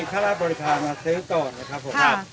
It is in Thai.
ข้าราชบริการมาซื้อก่อนนะครับผม